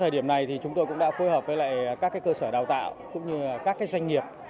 thời điểm này thì chúng tôi cũng đã phối hợp với các cơ sở đào tạo cũng như các doanh nghiệp